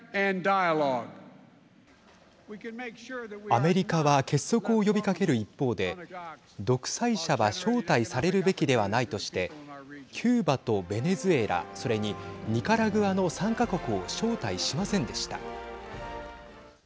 アメリカは結束を呼びかける一方で独裁者は招待されるべきではないとしてキューバとベネズエラそれに、ニカラグアの３か国を招待しませんでした。